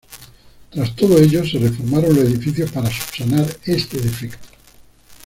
Tras todo ello se reformaron los edificios para subsanar este defecto.